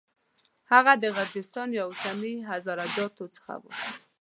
هغه د غرجستان یا اوسني هزاره جاتو څخه و.